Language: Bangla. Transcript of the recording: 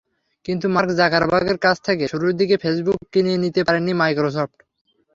কিন্তু মার্ক জাকারবার্গের কাছ থেকে শুরুর দিকে ফেসবুক কিনে নিতে পারেনি মাইক্রোসফট।